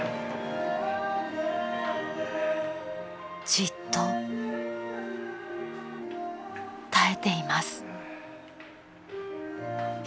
［じっと耐えています］